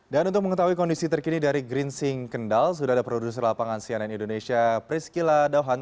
dan untuk mengetahui kondisi terkini dari green sing kendal sudah ada produser lapangan cnn indonesia pris kila dohan